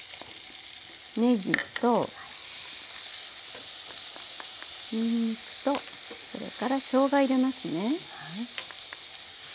ねぎとにんにくとそれからしょうが入れますね。